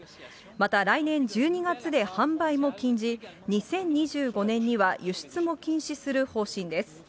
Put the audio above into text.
また、来年１２月で販売も禁じ、２０２５年には輸出も禁止する方針です。